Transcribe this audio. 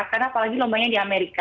karena apalagi lombanya di amerika